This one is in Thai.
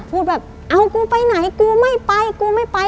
พูดแบบเอากูไปไหนกูไม่ไปกูไม่ไป